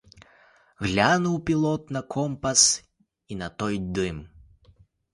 Глянув пілот на компас і на той дим.